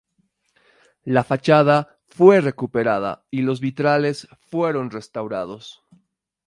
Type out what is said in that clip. La fachada fue recuperada y los vitrales fueron restaurados.